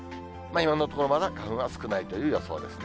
今のところ、まだ花粉は少ないという予想ですね。